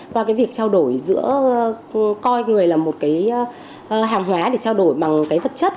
và cái việc trao đổi giữa coi người là một cái hàng hóa để trao đổi bằng cái vật chất